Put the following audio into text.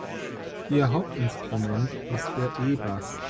Ihr Hauptinstrument ist der E-Bass.